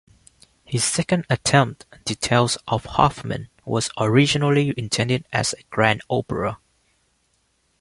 His second attempt, "The Tales of Hoffmann", was originally intended as a grand opera.